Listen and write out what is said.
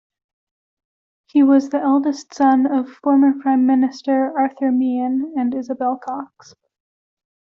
He was the eldest son of former Prime Minister Arthur Meighen and Isabel Cox.